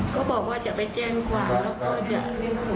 เขาบอกว่าจะไปแจ้งความแล้วก็จะไปโรงพยาบาล